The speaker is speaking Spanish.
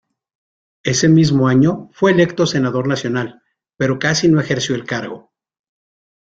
Ese mismo año fue electo senador nacional, pero casi no ejerció el cargo.